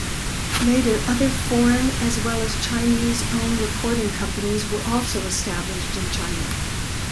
Later other foreign as well as Chinese-own recording companies were also established in China.